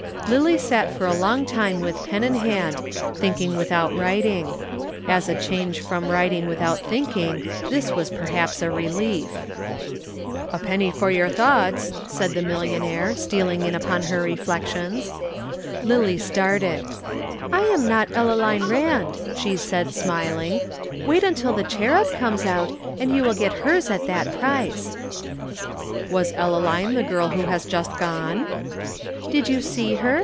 Lillie sat for a long time with pen in hand, thinking without writing. As a change from writing without thinking this was perhaps a relief. [Illustration: Rejected Addresses.] "A penny for your thoughts," said the millionaire, stealing in upon her reflections. Lillie started. "I am not Ellaline Rand," she said smiling. "Wait till The Cherub comes out, and you will get hers at that price." "Was Ellaline the girl who has just gone?" "Did you see her?